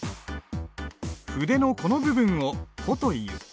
筆のこの部分を穂という。